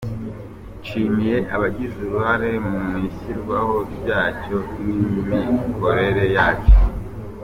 Nshimiye abagize uruhare mu ishyirwaho ryacyo n’imikorere yacyo.”